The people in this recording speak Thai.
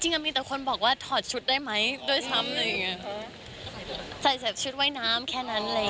จริงมีแต่คนบอกว่าถอดชุดได้ไหมด้วยซ้ำอะไรอย่างนี้